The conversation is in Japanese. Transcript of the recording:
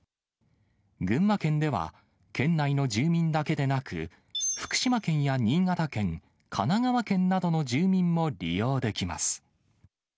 群馬県では、県内の住民だけでなく、福島県や新潟県、神奈川県などの住民も利用できます。